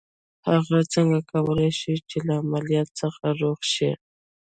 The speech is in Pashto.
هغه څنګه کولای شي چې له عمليات څخه روغ شي.